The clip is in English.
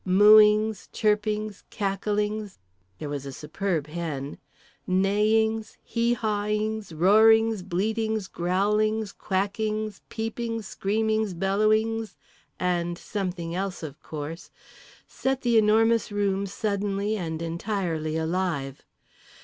Mooings, chirpings, cacklings—there was a superb hen—neighings, he hawing, roarings, bleatings, growlings, quackings, peepings, screamings, bellowings, and—something else, of course—set The Enormous Room suddenly and entirely alive.